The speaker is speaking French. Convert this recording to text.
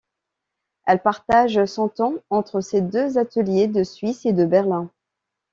Elle partage son temps entre ses deux ateliers de Suisse, et de Berlin.